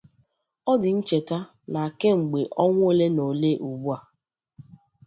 Ọ dị ncheta na kemgbe ọnwa olenaole ugbua